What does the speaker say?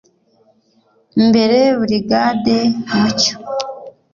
Imbere Burigade Mucyo